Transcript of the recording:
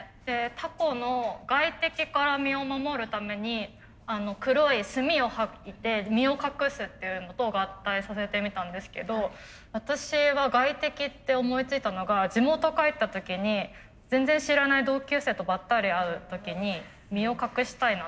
タコの外敵から身を守るために黒い墨を吐いて身を隠すっていうのと合体させてみたんですけど私は外敵って思いついたのが地元帰った時に全然知らない同級生とばったり会う時に身を隠したいなと思ったんですよ。